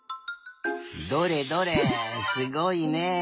どれどれすごいね。